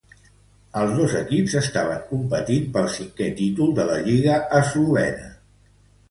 Els dos equips estaven competint pel cinqué títol de la lliga eslovena.